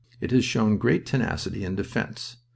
.. It has shown great tenacity in defense.